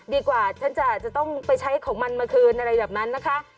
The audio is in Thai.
ฉันจะต้องไปใช้ของมันมาคืนอะไรแบบนั้นนะคะ